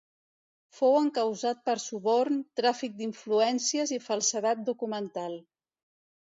Fou encausat per suborn, tràfic d’influències i falsedat documental.